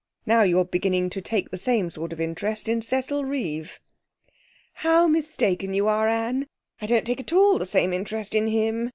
Now you're beginning to take the same sort of interest in Cecil Reeve.' 'How mistaken you are, Anne! I don't take at all the same interest in him.